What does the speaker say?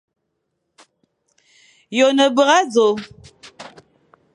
Ye one bera dzo?